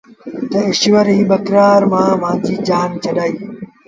تا ايٚشور ايئي ٻڪرآڙ مآݩ مآݩجيٚ جآن ڇڏآ۔